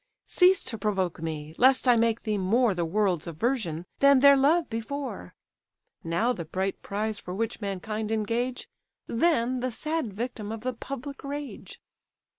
Cease to provoke me, lest I make thee more The world's aversion, than their love before; Now the bright prize for which mankind engage, Than, the sad victim, of the public rage."